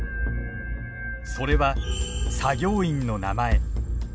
それは作業員の名前。